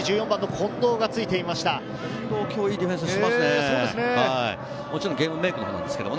近藤、今日いいディフェンスしてますね。